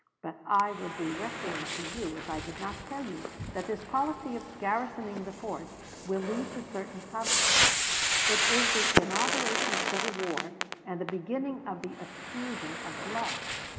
But I would be recreant to you if I did not tell you that this policy of garrisoning the forts will lead to certain conflicts; it is the inauguration of civil war, and the beginning of the effusion of blood.